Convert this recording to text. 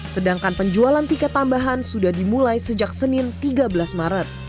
sedangkan penjualan tiket tambahan sudah dimulai sejak senin tiga belas maret